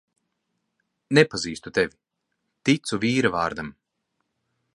Nepazīstu tevi, ticu vīra vārdam.